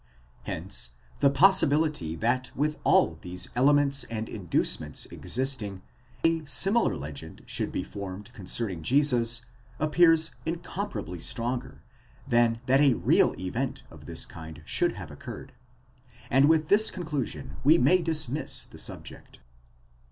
2° Hence the possibility that with all these elements and inducements existing, a similar legend should be formed con cerning Jesus, appears incomparably stronger, than that a real event of this kind should have occurred:—and with this conclusion we may dismiss the subject.